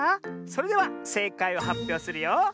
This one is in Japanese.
それではせいかいをはっぴょうするよ。